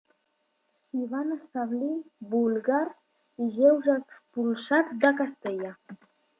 S'hi van establir búlgars i jueus expulsats de Castella.